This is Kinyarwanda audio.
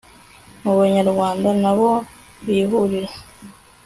mu banyarwanda n'aho bihurira